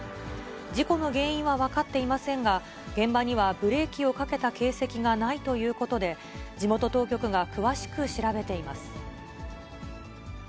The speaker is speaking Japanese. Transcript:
事故の原因は分かっていませんが、現場にはブレーキをかけた形跡がないということで、地元当局が詳しく調べています。